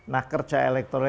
nah kerja elektoral